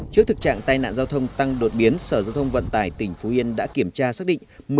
trước thực trạng tai nạn giao thông tăng đột biến sở giao thông vận tải tỉnh phú yên đã kiểm tra xác định